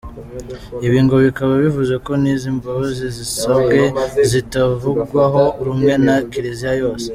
Ibi ngo bikaba bivuze ko n'izi mbabazi zisabwe zitavugwagaho rumwe na Kiliziya yose.